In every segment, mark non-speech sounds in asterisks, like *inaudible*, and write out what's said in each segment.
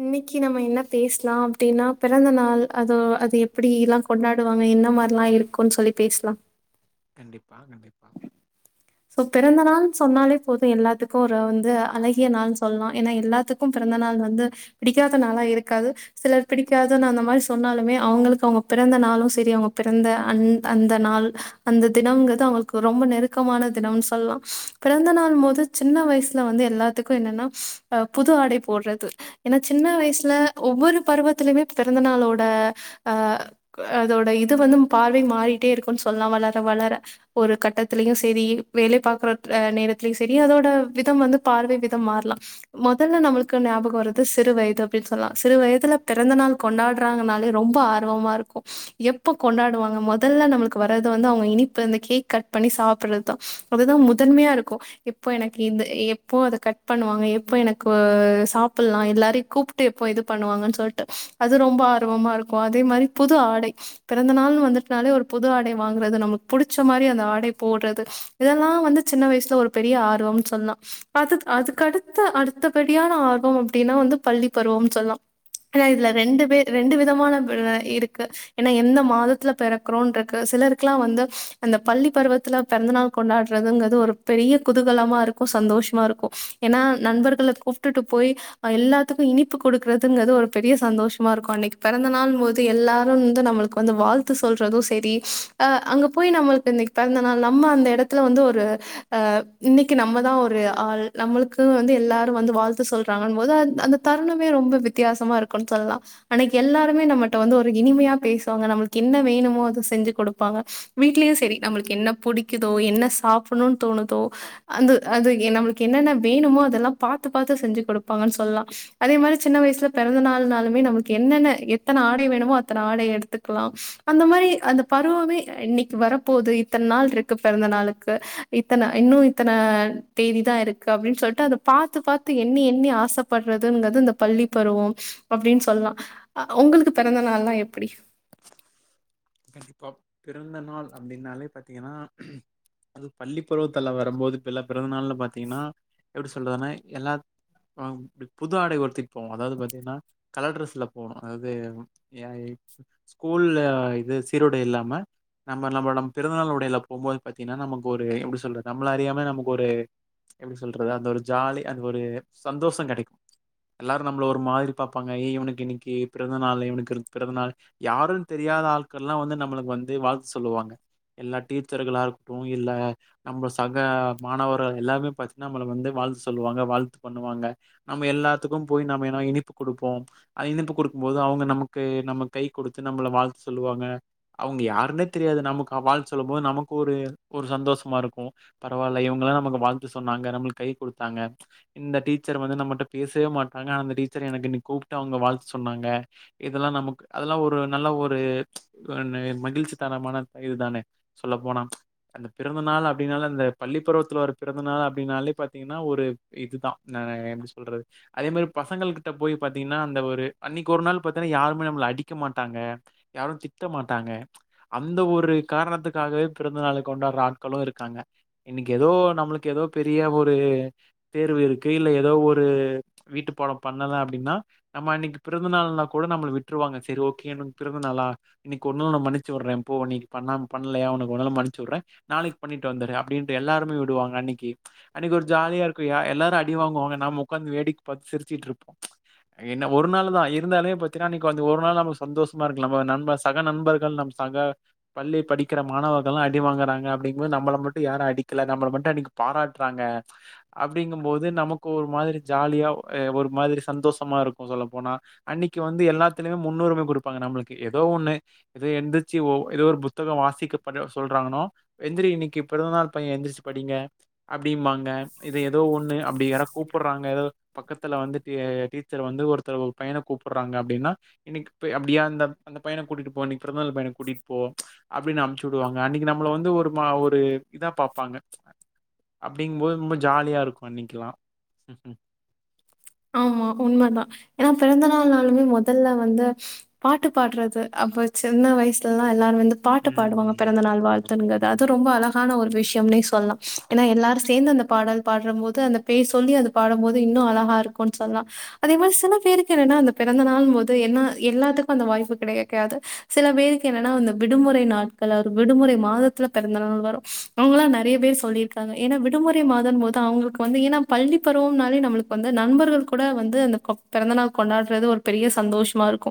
இன்னிக்கி நம்ம என்ன பேசலாம் அப்டின்னா பிறந்த நாள் அதோ அது எப்டி எல்லாம் கொண்டாடுவாங்க என்னா மாதிரியெலாம் இருக்கும்ன்னு சொல்லி பேசலாம் கண்டிப்பா கண்டிப்பா சோ பிறந்த நாள்ன் சொன்னாலே போது எல்லாத்துக்குமே வந்து அழகிய நாள்னு சொல்லலாம் ஏன்னா எல்லாத்துக்கும் பிறந்த நாள் வந்து பிடிக்காத நாளா இருக்காது சிலர் பிடிக்காதுன்னு அந்த மாதிரி சொன்னாலுமே அவுங்களுக்கு அவுங்க பிறந்த நாளும் சேரி அவுங்க பிறந்த அந்த அந்த நாள் அந்த தினங்றது அவங்களுக்கு ரொம்ப நெருக்கமானத் துனும் சொல்லலாம் பிறந்தநாள் போது சின்ன வயஸ்ல வந்து எல்லாத்துக்கும் என்னன்னா அ புது ஆடை போட்றது ஏன்னா சின்ன வயஸ்ல ஒவ்வொரு பருவத்திலேயுமே பிறந்தநாளோட அ அதோட இது வந்து பார்வை மாறிட்டே இருக்குன்னு சொல்லலாம் வளர வளர ஒரு கட்டத்திலேயும் சேரி வேலை பாக்ற நேரத்துலயும் சேரி அதோட விதம் வந்து பார்வை விதம் மாறலாம் மொதல்ல நம்பளுக்கு ஞாபகம் வரற்து சிறு வயது அப்டின்னு சொல்லலாம் சிறு வயதுல பிறந்த நாள் கொண்டாட்றாங்கனாலே ரொம்ப ஆர்வமா இருக்கும் எப்ப கொண்டாடுவாங்க மொதல்ல நம்ளுக்கு வர்றது வந்து அவுங்க இனிப்பு இந்த கேக் கட் பண்ணி சாப்ட்றதுதான் அதுதான் முதன்மையா இருக்கும் இப்ப எனக்கு இது எப்போ அத கட் பண்ணுவாங்க எப்போ எனக்கு சாப்பில்லாம் எல்லாரையும் கூப்ட்டு எப்போ இது பண்ணுவாங்கன்னு சொல்லிட்டு அது ரொம்ப ஆர்வமா இருக்கும் அதே மாதிரி புது ஆடை பிறந்த நாள்னு வந்துட்டாலே ஒரு புது ஆடை வாங்கறது நமக்கு புடிச்ச மாதிரி அந்த ஆடை போட்றது இதல்லாம் வந்து சின்ன வயஸ்ல ஒரு பெரிய ஆர்வம் சொல்லலாம் அதுக் அதுக்கடுத்த அடுத்தபடியான ஆர்வம் அப்டின்னா வந்து பள்ளி பருவம்னு சொல்லலாம் ஏன்னா இதுல ரெண்டு பேர் ரெண்டு விதமா இதுக்கு ஏன்னா எந்த மாதத்துல பிறக்கறோன்ருக்கு சிலருக்குலாம் வந்து அந்த பள்ளி பருவத்ல பிறந்த நாள் கொண்டாட்றதுங்றது ஒரு பெரிய குதூகலமா இருக்கும் சந்தோஷமா இருக்கும் ஏனா நண்பர்கள கூப்ட்டுட்டுப் போய் எல்லாத்துக்கும் இனிப்பு குடுக்கறதுங்கறது ஒரு பெரிய சந்தோஷமா இருக்கும் அன்னிக் பிறந்த நாள் போது எல்லாரும் வந்து நம்முளுக்கு வந்து வாழ்த்து சொல்றதும் சேரி ஆ அங்க போய் நம்ளுக்கு இன்னிக்கு பிறந்த நாள் நம்ம அந்த எடத் த்துல வந்து ஒரு இன்னிக்கு நம்மதான் ஒரு ஆள் நம்மளுக்கு வந்து எல்லாரும் வந்து வாழ்த்து சொல்றாங்கங்கும் போது அந் அந்த தருணமே ரொம்ப வித்தியாசமா இருக்கும்ன்னு சொல்லலாம் அன்னைக்கு எல்லாருமே நம்மகிட்ட வந்து ஒரு இனிமையா பேசுவாங்க நம்மளுக்கு என்ன வேணுமோ அது செஞ்சு கொடுப்பாங்க வீட்லயும் சேரி நம்புளுக்கு என்ன புடிக்குதோ என்ன சாப்பிடணும்ன்னு தோணுதோ அந்து அது எ நம்மளுக்கு என்னென்ன வேணுமோ அதெல்லாம் பாத்து பாத்து செஞ்சி கொடுப்பாங்கன்னு சொல்லலாம் அதே மாதிரி சின்ன வயஸ்ல பிறந்த நாள்னாலுமே நம்முக்கு என்னென்ன எத்தனை ஆடை வேணுமோ அத்தனை ஆடைய எடுத்துக்கலாம் அந்த மாதிரி அந்த பருவமே இன்னிக்கு வரப்போது இத்தன் நாள் இருக்கு பிறந்த நாளு க்கு இத்தன இன்னூ இத்தன தேதிதா இருக்கு அப்டின்னு சொல்ட்டு அத பாத்து பாத்து எண்ணி எண்ணி ஆசப்படுறதுங்கறது இந்த பள்ளி பருவம் அப்டின்னு சொல்லலாம் அ உங்களுக்கு பிறந்த நாளலெல்லாம் எப்படி கண்டிப்பா பிறந்த நாள் அப்டின்னாலே பாத்தீங்கன்னா அது பள்ளிப்பருவத்துல வரும்போது இப்பெல்லாம் பிறந்த நாள்ன்னு பாத்தீங்கன்னா எப்டி சொல்றது எல்லா புது ஆடை உடுத்திட்டு போவோம் அதாவது பாத்தீங்ன்னா கலர் ட்ரெஸ்ல போகணும் அதூ எ ஸ்கூல்லே இது சீருடை இல்லாம நம்ம நம்ப நம் பிறந்தநாள் உடைல போவும்போது பாத்தீங்கனா நமக்கு ஒரு எப்டி சொல்றது அந்த ஒரு ஜாலி அந்த ஒரு சந்தோசம் கிடைக்கும் எல்லாரும் நம்ள ஒரு மாதிரி பாப்பாங்க ஏ இவனுக்கு இன்னிக்கு பிறந்தநாளு இவனுக்கு து பிறந்தநாளு யாருனன்னு தெரியாத ஆள் எல்லாம் வந்து நம்முளுக்கு வந்து வாழ்த்து சொல்லுவாங்க எல்லா டீச்சர்களா இருக்கட்டும் இல்ல நம்ப சக மாணவர்கள் எல்லாருமே பாத்திங்னா நம்மல வந்து வாழ்த்து சொல்லுவாங்க வாழ்த்து பண்ணுவாங்க நம்ம எல்லாத்துக்கும் போய் நம்ப என்னா இனிப்பு கொடுப்போம் அது இனிப்பு கொடுக்கும் போது அவுங்க நமக்கு நம்ம கை கொடுத்து நம்மள வாழ்த் சொல்லுவாங்க அவுங்க யாருன்னே தெரியாது நமக்கு வாழ்த்து சொல்லும் போது நமக்கு ஒரு ஒரு சந்தோஷமா இருக்கும் பரவால்ல இவங்கெல்லாம் நமக்கு வாழ்த்து சொன்னாங்க நம்ளுக்கு கை குடுத்தாங்க இந்த டீச்சர் வந்து நம்ம பேசவே மாட்டாங்க ஆனா அந்த டீச்சரே எனக்கு இன்னிக்கு கூப்ட்டு அவுங்க வாழ்த்து சொன்னாங்க இதல்லாம் நமக்கு அதல்லாம் ஒரு நல்ல ஒரு *unintelligible* மகிழ்ச்சி தரமான இதுதானே சொல்ல போனா அந்த பிறந்த நாள் அப்டின்னால அந்த பள்ளிப்பருவத்துல வர பிறந்த நாள் அப்டின்னாலே பாத்திங்ன்னா ஒரு இதுதான் நா எப்படி சொல்றது அதே மாதிரி பசங்கள் கிட்ட போய் பாத்திங்ன்னா அந்த ஒரு அன்னிக்கு ஒரு நாள் பாத்தாம்னா யாருமே நம்மள அடிக்க மாட்டாங்க யாரும் திட்ட மாட்டாங்க அந்த ஒரு காரணத்துக்காகவே பிறந்தநாள கொண்டாட்ற ஆட்களும் இருக்காங்க இன்னிக்கு எதோ நம்புளுக்கு எதோ பெரிய ஒரு தேர்வு இருக்கு இல்ல எதோ ஒரு வீட்டு பாடம் பண்ணலே அப்டின்னா நம்ப அன்னிக்கு பிறந்தநாள்னா கூட நம்மள விட்ருவாங்க சரி ஓக்கேன் பிறந்த நாளா இன்னிக்கு ஒரு நா மன்னிச்சு விட்றேன் போ நீ பண்ணாம பண்லயா உனக்கு ஒர்நாள் மன்னிச்சி உட்றேன் நாளைக்கு பண்ணிட்டு வந்துரு அப்பிடின்ட்டு எல்லாருமே விடுவாங்க அன்னிக்கி அன்னிக்கு ஒரு ஜாலியா இருக் மா எல்லாரு அடி வாங்குவாங்க நாம உக்காந்து வேடிக் பாத் சிர்ச்சிட்ருப்போ இன்ன ஒரு நாளு தா இருந்தாலூப் பாத்தினா நீக்கு அந்த ஒரு நாள் நம்ளுக் சந்தோஸ் சும்மா இருக்கலாமா நணபன் சக நண்பர்கள் சக பள்ளி படிக்கிற மாணவர்களெல்லாம் அடிவாங்கறாங்க அப்டிங்கறபோது நம்பள மட்டும் யாரும் அடிக்கல நம்பள மட்டும் அன்னிக்கு பாராட்டறாங்க அப்டிங்கும் போது நமக்கு ஒரு மாறி ஜாலியா ஒரு மாதிரி சந்தோஷமா இருக்கும் சொல்ல போனா அன்னிக்கு வந்து எல்லாத்திலுமே முன்னுரிமை குடுப் பாங்க நம்ளுக்கு ஏதோ ஒண்ணு ஏதோ எந்திர்ச்சு ஒ ஏதோ ஒரு புஸ்தகம் வாஸ் *unintelligible* பட்றா சொல்றானோ எந்திரி இன்னிக்கு இன்னிக்கி பிறந்தநாள் பையன் எந்திரிச்சி படிங்க அப்டிம்பாங்க இது எதோ ஒண்ணு அப்டி யாரோ கூப்ட்றாங்க எதோ பக்கத்ல வந்து டீச்சர் வந்து ஒருத்தர் ஒர் பையன கூப்புட்றாங்க அப்டின்னா இன்னிக் அப்டியா அந்த அந்தப் பையன கூட்டிட்டு போ இன்னிக் பிறந்தநாள் பையன கூட்டிட்டு போ அப்டின்னு அனுப்ச்சு உடுவாங்க அன்னிக்கு நம்ள வந்து ஒர் மா ஒரு இதா பாப்பாங்க அப்டிங்கும்போது ரொம்ப ஜாலியா இருக்கும் அன்னிக்கெலாம் ஆமா உண்மை தான் ஏனா பிறந்த நாள் நாளுமேமொதல்ல வந்து பாட்டு பாட்றது அப்ப சின்ன வயசுல்லே எல்லாரும் வந்து பாட்டு பாடுவாங்க ம். பிறந்த நாள் வாழ்த்துனுங்க அது ரொம்ப அழகான ஒரு விஷயம்னே சொல்லலா ஏன்னா எல்லாரும் சேர்ந்து அந்த பாடல் பாடுற போது அந்த பே சொல்லி அந்த பாடும்போது இன்னும் அழகா இருக்கோ மா சில பேரு என்ன ப போ எல்லாத்துக்குந்த வாய்ப்பு கெடைக்காது சில பேருக்கு என்ன விடுமுறை நாட்கள் விடுமுறை மாதத்துல பிறந்த நாள் வரோ அவங்களா நறைய பேர் சொல்லி இருக்காங்க விடுமுறை மாதம் போது அவுங்குளுக்கு வந்து ஏன்னா பள்ளி பருவம் நாளே நம்முளுக்கு வந்து நண்பர் நண்பர்கள் கூட வந்து அந்த பெறந்த நாள் கொண்டாடுறது ஒரு பெரிய சந்தோஷமா இருக்கோ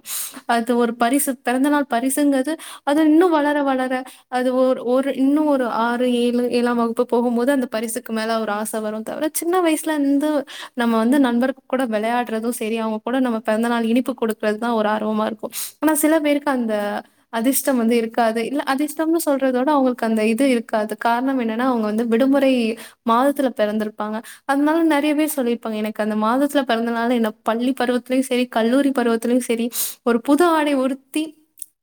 அது ஒரு பரிசு பெறந்த நாள் பரிசுங்கிறது அது இன்னு வளர வளர அது ஒரு ஒரு இன்னோ ஒரு ஆறு ஏழு ஏழாம் வகுப்பு போகும் போது அந்த பரிசுக்கு மேல ஒரு ஆச வரோ தவிர சின்ன வயசுல இருந்து நம்ம வந்து நண்பர் கூட வெளையாடுறது செரி அவுங்க கூட நம்ம பிறந்த நாள் இனிப்பு கொடுக்கறதுதா ஒரு ஆர்வமா இருக்கோ ஆனா சில பேருக்கு அந்த அதிர்ஷ்டம் வந்து இருக்காது இல்ல அதிர்ஷ்டம்னு சொல்றதோட அவங்களுக்கு அந்த இது இருக்காது காரணம் என்னன்னா அவுங்க வந்து விடுமுறை மாதத்துல பிறந்திருப்பாங்க அதனால நறைய பேரு சொல்லியிருப்பாங்க எனக்கு அந்த மாத பிடிச்ச பெறந்தனாலு என்ன பள்ளி பருவத்துலயு செரி கல்லூரி பருவத்துலயு செரி ஒரு புது ஆடை உடுத்தி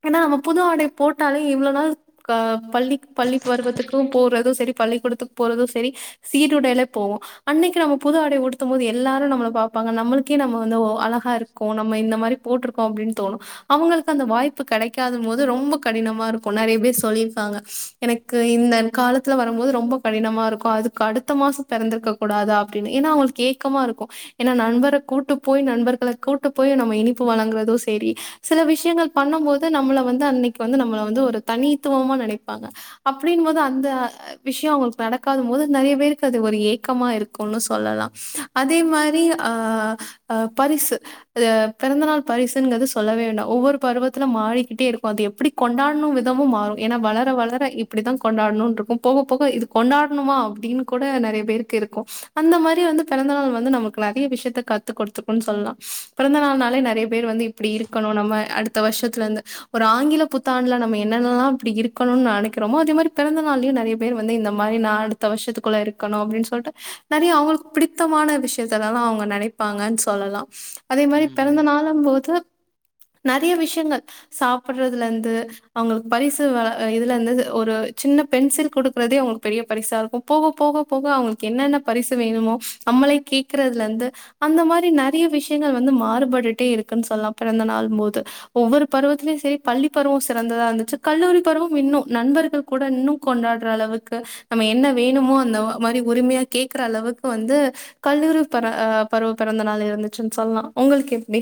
ஏன்னா அவ புது ஆடை போட்டாலே இவ்ளவு நாள் க பள்ளி பள்ளி பருவத்துக்கு போடுறதும் செரி பள்ளிக்கூடத்துக்கு போறதும் செரி சீருடைல போவோ அன்னிக்கு நம்ம புது ஆடை ஊடுத்தும் போது எல்லாரும் நம்மலப் பாபாங்க நம்மளுக்கே நம்ம வந்து அழகா இருக்கும் நம்ம இந்த மாதிரி போட்டிருக்கோம் அப்படின்னு தோணும் அவங்களுக்கு அந்த வாய்ப்பு கிடைக்காத போது ரொம்ப கடினமா இருக்கும் நிறைய பேர் சொல்லியிருக்காங்க எனக்கு இந்த காலத்துல வரும்போது ரொம்ப கடினமா இருக்கும் அதுக்கு அடுத்த மாசம் பிறந்திருக்க கூடாதா அப்படின்னு ஏன்னா அவங்களுக்கு ஏக்கமா இருக்கும் ஏன்னா நண்பரை கூட்டு போய் நண்பர்களை கூட்டு போய் நம்ம இனிப்பு வழங்குறதும் சேரி சில விஷயங்கள் பண்ணும் போது நம்மளை வந்து அன்னைக்கு வந்து நம்மள வந்து ஒரு தனித்துவமா நெனைப்பாங்க அப்டீங்கும் போது அந்த விஷயோ அவுங்குளுக்கு நடக்காத போது நறைய பேருக்கு அது ஒரு ஏக்கமா இருக்கும்னு சொல்லலா அதே மாரி அ அ அ அ பரிசு எ பெறந்தநாள் பரிசுங்கறத சொல்லவே வேண்டா ஒவ்வொரு பருவத்துல மாறிக்கிட்டே இருக்கோ அது எப்புடி கொண்டாடணோ விதமும் மாறோ ஏன்னா வளர வளர இப்டிதா கொண்டாட்ணோ ட்ருக்கோ போக போக இது கொண்டாடணுமா அப்டீன்னு கூட நறைய பேருக்கு இருக்கோ அந்த மாரி வந்து பெறந்தநாள் வந்து நம்ம நறைய விஷயத்த கத்துக் குடுத்துக்கும்ன்னு சொல்லலா பிறந்த நாள் நாளே நறைய பேர் வந்து இப்படி இருக்கணோ நம்ம அடுத்து அ வருஷத்துல இருந்து ஒரு ஆங்கில புத்தாண்டுல நம்ம என்னென்னல்லா இப்டி இருக்கணும்னு நினைக்கிறோமோ அதே மாரி பெறந்த நாள்யு நிறைய பேர் வந்து இந்த மாரி நான் அடுத்த வருஷத்துக்குள்ள இருக்கணோ அப்டின்னு சொல்லிட்டு நறைய அவுங்குளுக்கு பிடித்தமான விஷயோ விஷயத்தல்லா அவுங்க நெனைப்பாங்கனு சொல்லலா அதே மாரி பிறந்த ம். நாளும் போது நறைய விஷயங்கள் சாப்படுறதுல இருந்து அவங்களுக்கு பரிசு வழ இதுல இருந்து ஒரு சின்ன பென்சில் குடுக்குறதே அவுங்களுக்கு பெரிய பரிசா இருக்கோ போக போக போக அவங்களுக்கு என்னென்ன பரிசு வேணுமோ அம்மளே கேக் விக்கறதுல இருந்து அந்த மாரி நறைய விஷயங்கள் வந்து மாறுபட்டுட்டே இருக்குன்னு சொல்லலா பிறந்த நாள் போது ஒவ்வொரு பருவத்திலயும் சரி பள்ளி பருவம் சிறந்ததா இருந்துச்சு கல்லூரி பருவம் இன்னோ நண்பர்கள் கூட இன்னு கொண்டாடுற அளவுக்கு நம்ம என்ன வேணுமோ அந்த மாரி உரிமையா கேக்குற அளவுக்கு வந்து கல்லூரி பள்ளி பருவ பெறந்த நாள் இருந்துச்சுனு சொல்லலா உங்குளுக்கு எப்டி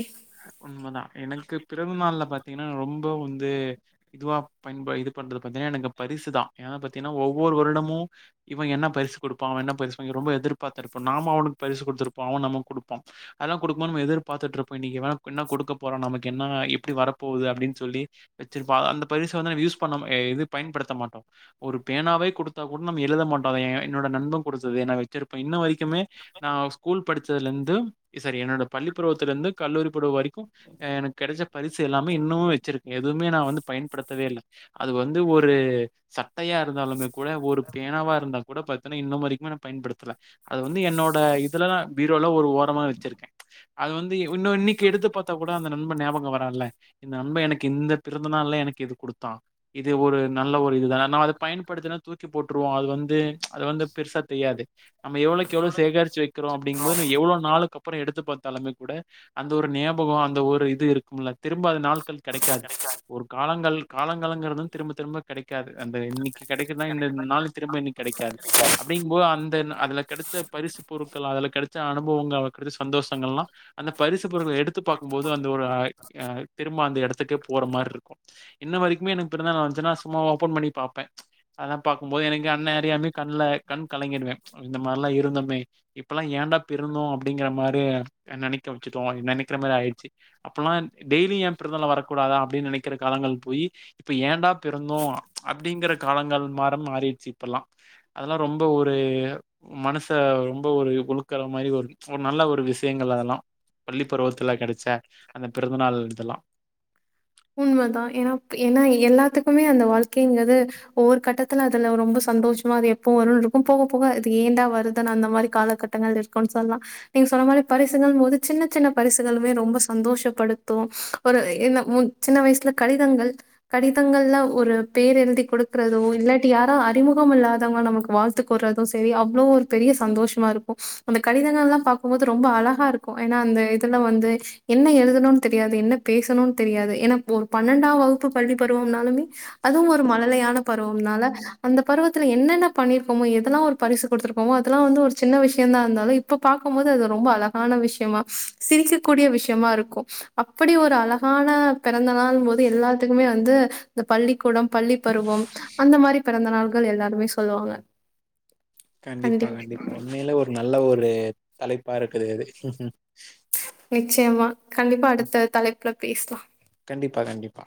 உண்மதா எனக்கு பிறந்தநாள்ல பாத்தீங்கன்னா ரொம்ப வந்து இதுவா பயப இது பண்றது பாத்தீங்கன்னா எனக்கு பரிசுதா ஏனா பாத்தீங்கன்னா ஒவ்வொரு வருடமு இவ என்ன பரிசு குடுப்பா அவ என்ன பரிசு வாங் ரொம்ப எதிர்பார்த்து இருப்பே நாமோ அவனுக்கு பரிசு கொடுத்துருப்போ அவ நமக்கு குடுப்பா அதெல்லா குடுக்கும்போ நம்மோ எதிர்பாத்துட்டுருப்போ இப்போ இன்னிக்கு வேணே என்ன கொடுக்க போறோ நமக்கு என்ன எப்டி வர போது அப்டின்னு சொல்லி வெச்சுருப்பாங் அந்த பரிச வந்து நம்ம யூஸ் பண்ணாம அ இது பயன்படுத்த மாட்டோ ஒரு பேனாவே குடுத்தா கூட நம்ம எழுத மாட்டோ அத என்னோட நண்ப குடுத்தது நா வெச்சிருப்ப இன்ன வரைக்குமே நா ஸ்கூல் படிச்சதுலேருந்து சரி என்னோட பள்ளிப்பருவத்துலேந்து கல்லூரி பருவோ வரைக்கோ எனக்கு கெடைச்ச பரிசு எல்லாமே இன்னமும் வெச்சிருக்கே எதுவுமே நா வந்து பயன்படுத்தவே இல்ல அது வந்து ஒரு சட்டையா இருந்தாலுமே கூட ஒரு பேனாவா இருந்தா கூட பாத்தீனா இன்னும் வரைக்குமே நான் பயன்படுத்தல அது வந்து என்னோட இதுல நா பீரோல ஒரு ஓரமா வெச்சிருக்கே அது வந்து இப் இன்னும் இன்னிக்கு எடுத்து பார்த்தா கூட அந்த நண்ப ஞாபகோ வரால இந்த நண்ப எனக்கு இந்த பிறந்த நாள்ல எனக்கு இது குடுத்தா இது ஒரு நல்ல ஒரு இதுதான நம் அத பயன்படுத்தினா தூக்கி போட்டுருவோ அது வந்து அது வந்து பெருசா தெரியாது நம்ம எவ்ளோக்கு எவ்ளோ சேகரிச் சு வைக்கறோ அப் அப்படிகும்போது எவ்ளோ நாளுக்கு அப்புறம் எடுத்து பார்த்தாலுமே கூட அந்த ஒரு ஞாபகம் அந்த ஒரு இது இருக்கும்ல திரும்ப அது நாள்கள் கெடைக்காது ஒரு காலங்கள் காலங்காலங்கிறதுதும் திரும்ப திரும்ப கெடைக்காது அந்த இன்னிக்கு கிடைக்குதுனா இந்த நாள்க்கு திரும்ப இன்னிக்கு கெடைக்காது அப்டீங்கும்போது அந்த அதுல கெடைச்ச பரிசு பொருட்கள் அதுல கெடைச்ச அனுபவங்கள் கெடைச்ச சந்தோஷங்கள்ல்லா அந்த பரிசு பொருள எடுத்து பார்க்கும்போது அந்த ஒரு அ அ திரும்ப அந்த எடத்துக்கே போற மாரி இருக்கோ இன்ன வரைக்குமே எனக்கு பிறந்தநாள் வந்துச்சுன்னா சும்மா ஓபன் பண்ணி பாப்ப அதா பாக்கும்போது எனக்கு என்ன அறியாமே கண்ல கண் கலங்கிடுவே இந்த மாரிலா இருந்தோமே இப்பல்லா ஏடா பிறந்தோ அப்டீங்குற மாரி நெனைக்க வெச்சுட்டோ நெனைக்கிற மாரி ஆயிடுச்சு அப்போல்லா டெய்லி ஏன் பிறந்தநாள் வரக்கூடாதா அப்டீன்னு நெனைக்கிற காலங்கள் போய் இப்ப ஏன்டா பிறந்தோ அப்டீங்கிற காலங்கள் மாற மாறிடுச்சு இப்பல்லா அதெல்லா ரொம்ப ஒரு மனச ரொம்ப ஒரு உளுக்குற மாரி ஒரு நல்ல ஒரு விஷயங்கள் அதெல்லா பள்ளி பருவத்துல கிடைச்ச அந்த பிறந்தநாள் இதெல்லா உண்மதான். வாழ்க்கைங்குறது ஒவ்வொரு கட்டத்துல அதுல ரொம்ப சந்தோஷமா அது எப்பவோ வரோ இருக்கும் போக போக இது ஏண்டா வருதுன்னு அந்த மாரி காலகட்டங்கள் இருக்குன்னு சொல்லலாம் நீங்க சொன்ன மாரி பரிசுகள் போது சின்ன சின்ன பரிசுகளுமே ரொம்ப சந்தோஷப்படுத்தோ ஒரு என்ன சின்ன வயசுல கடிதங்கள் கடிதங்கள்ல ஒரு பேர் எழுதி கொடுக்குறதோ இல்லாட்டி யாரா அறிமுகம் இல்லாதவங்க நமக்கு வாழ்த்து கூறதோ சரி அவ்ளோ ஒரு பெரிய சந்தோஷமா இருக்கோ அந்த கடிதங்கள்லா பாக்கும்போது ரொம்ப அழகா இருக்கோ ஏன்னா அந்த இதுல வந்து என்ன எழுதணோனு தெரியாது என்ன பேசணோனு தெரியாது ஏன்னா ஒரு பன்னெண்டாம் வகுப்பு பள்ளி பருவாம்னாலமே அதுவும் ஒரு மழலையான பருவம்னால அந்த பருவத்துத்தில் என்னென்ன பண்ணிருக்கோமோ எதெல்லா ஒரு பரிசு குடுத்துருப் ஓ அதெல்லா வந்து ஒரு சின்ன வயசு இருந்தாலும் இப்ப பார்க்க போது அது ரொம்ப அழகான விஷயமா சிரிக்கக்க கூடிய விஷயமா இருக்கும் அப்படி ஒரு அழகான பெறந்த நாள் போது எல்லாத்துக்குமே வந்து இந்த பள்ளிக்கூடம் பள்ளி பருவம் அந்த மாரி பிறந்த நாள்கள் எல்லாருமே சொல்லுவாங்க கண்டிப்பா கண்டிப் கண்டிப்பா உண்மைல ஒரு நல்ல ஒரு தலைப்பு பறக்குது அது நிச்சயமா கண்டிப்பா அடுத்த தலைப் க்க பேசலா கண்டிப்பா கண்டிப்பா